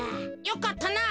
よかったな。